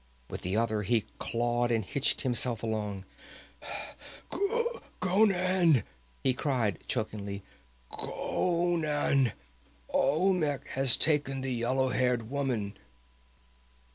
With the other he clawed and hitched himself along. "Conan," he cried chokingly, "Conan! Olmec has taken the yellow haired woman!"